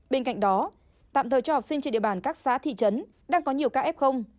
bên cạnh đó tạm thời cho học sinh trên địa bàn các xã thị trấn đang có nhiều ca f